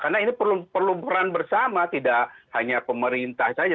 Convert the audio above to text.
karena ini perlu berperan bersama tidak hanya pemerintah saja